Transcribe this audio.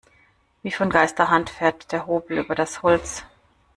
Wie von Geisterhand fährt der Hobel über das Holz.